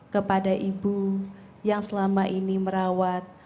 kepada ibu yang selama ini merawat